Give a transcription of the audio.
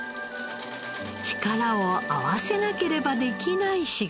力を合わせなければできない仕事です。